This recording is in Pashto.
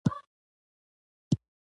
که مو ضایع کړ، بېرته نه راګرځي.